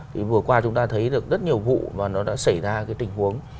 thì vừa qua chúng ta thấy được rất nhiều vụ và nó đã xảy ra cái tình huống